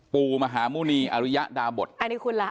ปู่มหาหมุณีอริยดาบทอันนี้คุณล่ะ